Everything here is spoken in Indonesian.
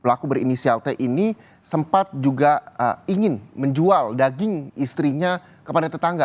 pelaku berinisial t ini sempat juga ingin menjual daging istrinya kepada tetangga